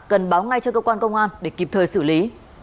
cần báo ngay cho cơ quan công an để kịp thời xử lý